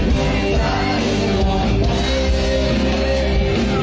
ทุกที่ว่าใช่ไหม